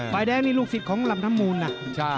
แดงนี่ลูกศิษย์ของลำน้ำมูลนะ